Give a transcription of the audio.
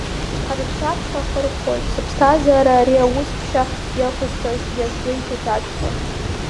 Ҳара рҿаԥхьа ҳхырхәоит, зыԥсҭазаара ари аус ԥшьа иақәызҵаз, иазгәеиҭеит Ашәба.